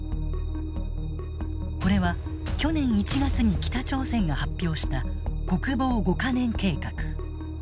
これは去年１月に北朝鮮が発表した「国防５か年計画」。